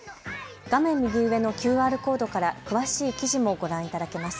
画面右上のＱＲコードから詳しい記事もご覧いただけます。